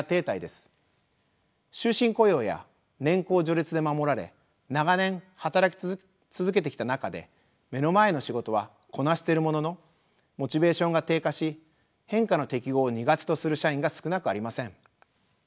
終身雇用や年功序列で守られ長年働き続けてきた中で目の前の仕事はこなしているもののモチベーションが低下し変化の適合を苦手とする社員が少なくありません。